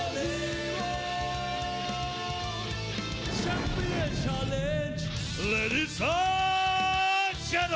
ที่สนุนรัด